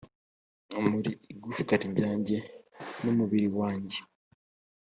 muri igufwa ryanjye n umubiri wanjye